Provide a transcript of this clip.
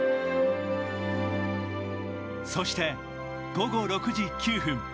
そして午後６時９分。